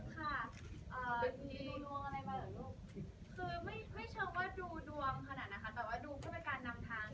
คือไม่เชิญว่าดูดวงขนาดนั้นนะคะแต่ว่าดูเพื่อไปการนำทาง